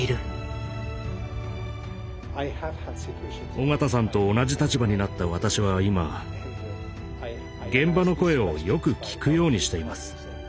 緒方さんと同じ立場になった私は今現場の声をよく聞くようにしています。